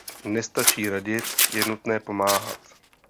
Nestačí radit, je nutné pomáhat.